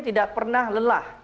tidak pernah lelah